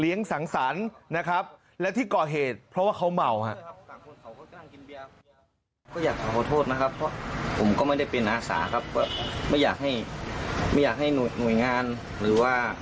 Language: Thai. เลี้ยงสังสรรค์นะครับและที่ก่อเหตุเพราะว่าเขาเมา